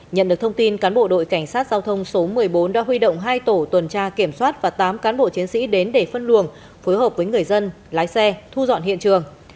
nhận được thông tin cán bộ đội cảnh sát giao thông số một mươi bốn đã huy động hai tổ tuần tra kiểm soát và tám cán bộ chiến sĩ đến để phân luồng phối hợp với người dân lái xe thu dọn hiện trường